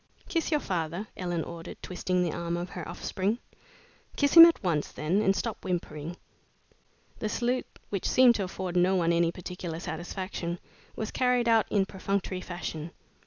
"Kiss your father," Ellen ordered, twisting the arm of her offspring. "Kiss him at once, then, and stop whimpering." The salute, which seemed to afford no one any particular satisfaction, was carried out in perfunctory fashion.